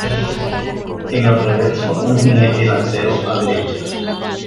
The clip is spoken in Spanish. En el reverso, un jinete lancero a derecha.